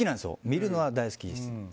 見るのは大好きです。